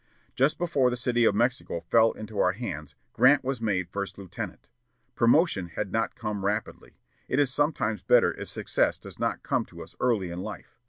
Just before the City of Mexico fell into our hands, Grant was made first lieutenant. Promotion had not come rapidly. It is sometimes better if success does not come to us early in life.